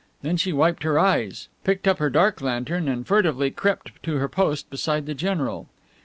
Then she wiped her eyes, picked up her dark lantern, and, furtively, crept to her post beside the general.